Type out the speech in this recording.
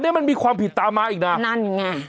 มันมีความผิดตามมาอีกนาน